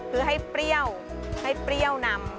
คือให้เปรี้ยวให้เปรี้ยวนำ